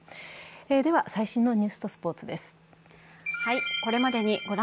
では最新のニュースとスポーツです。